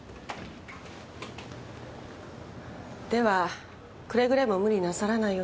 ではくれぐれも無理なさらないようにと。